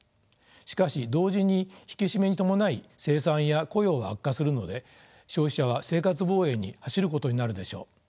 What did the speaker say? しかし同時に引き締めに伴い生産や雇用が悪化するので消費者は生活防衛に走ることになるでしょう。